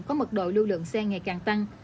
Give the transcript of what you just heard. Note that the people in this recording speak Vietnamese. có mật độ lưu lượng xe ngày càng tăng